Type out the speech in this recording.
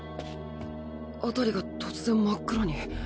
辺りが突然真っ暗に。